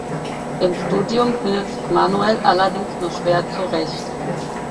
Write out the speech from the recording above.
Im Studium findet sich Manuel allerdings nur schwer zurecht.